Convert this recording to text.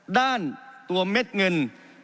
ด้านตัวเม็ดเงิน